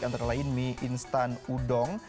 antara lain mi instant udon